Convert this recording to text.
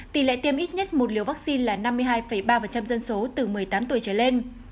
tỷ lệ tiêm ít nhất một liều vaccine là năm mươi hai ba dân số từ một mươi tám tuổi trở lên